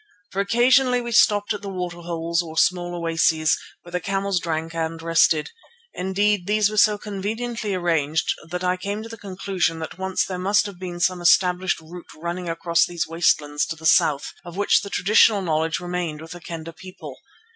For occasionally we stopped at the water holes or small oases, where the camels drank and rested. Indeed, these were so conveniently arranged that I came to the conclusion that once there must have been some established route running across these wastelands to the south, of which the traditional knowledge remained with the Kendah people.